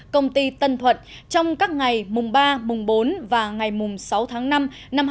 công ty tân thuận trong các ngày mùng ba mùng bốn và ngày mùng sáu tháng năm năm hai nghìn hai mươi